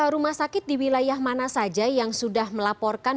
rumah sakit di wilayah mana saja yang sudah melaporkan